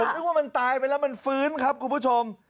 นึกว่ามันตายไปแล้วมันฟื้นครับคุณผู้ชม